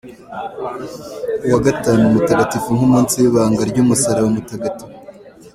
Uwa gatanu mutagatifu : nk’umunsi w’ibanga ry’Umusaraba mutagatifu.